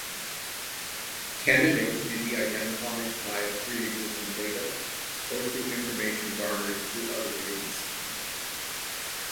Candidates may be identified via pre-existing data or through information garnered through other means.